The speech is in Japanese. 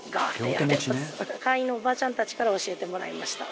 会員のおばちゃんたちから教えてもらいました。